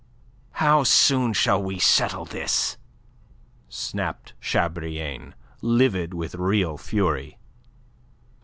"How soon shall we settle this?" snapped Chabrillane, livid with very real fury.